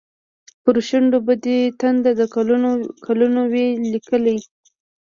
پر شونډو به دې تنده، د کلونو وي لیکلې